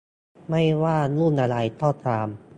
ไม่ว่ารุ่นอะไรก็ตาม